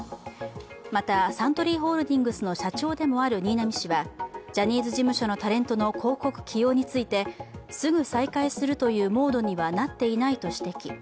また、サントリーホールディングスの社長でもある新浪氏はジャニーズ事務所のタレントの広告起用について、すぐ再開するというモードにはなっていないと指摘。